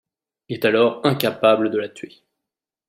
Il est alors incapable de la tuer.